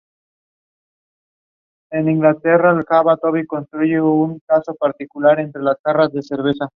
Los defensores de la fortaleza eran pocos y sólo podía ver desde las torres.